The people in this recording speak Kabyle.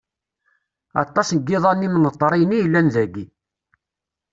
Aṭas n yiḍan imneṭriyen i yellan dagi.